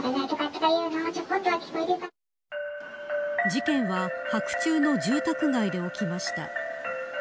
事件は白昼の住宅街で起きました。